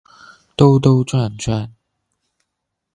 兜兜转转